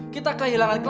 kita kehilangan kerja